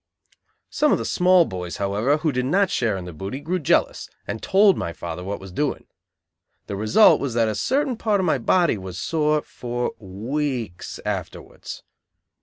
Some of the small boys, however, who did not share in the booty grew jealous and told my father what was doing. The result was that a certain part of my body was sore for weeks afterwards.